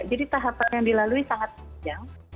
jadi tahapan yang dilalui sangat panjang